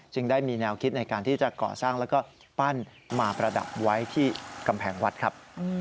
ได้มีแนวคิดในการที่จะก่อสร้างแล้วก็ปั้นมาประดับไว้ที่กำแพงวัดครับ